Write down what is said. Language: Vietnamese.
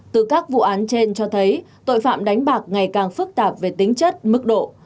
từ các vụ án trên cho thấy tội phạm đánh bạc ngày càng phức tạp về tính chất mức độ